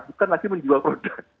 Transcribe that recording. bukan lagi menjual produk